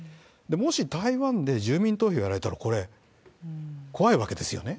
もし台湾で住民投票やられたら、これ、怖いわけですよね。